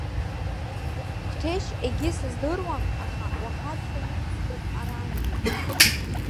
Қәҭешь егьи сыздыруам, аха уахаҵәҟьа иқәҵтәуп арантәи!